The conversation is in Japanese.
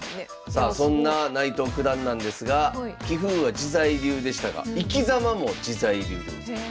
さあそんな内藤九段なんですが棋風は自在流でしたが生きざまも自在流でございます。